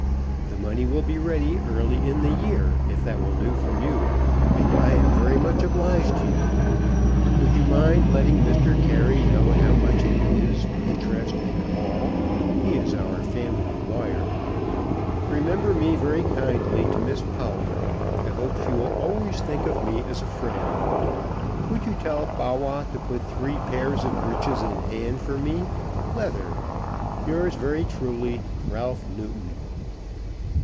The money will be ready early in the year, if that will do for you, and I am very much obliged to you. Would you mind letting Mr. Carey know how much it is, interest and all. He is our family lawyer. Remember me very kindly to Miss Polly. I hope she will always think of me as a friend. Would you tell Bawwah to put three pairs of breeches in hand for me, leather. Yours very truly, RALPH NEWTON.